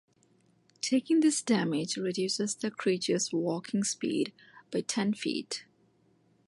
Taking this damage reduces the creature’s walking speed by ten feet.